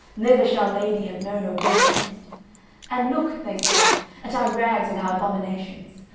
Never shall lady have known a worse end. And look," they said, "at our rags and our abominations.